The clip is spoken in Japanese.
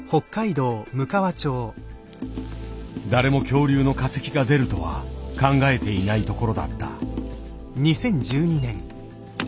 誰も恐竜の化石が出るとは考えていない所だった。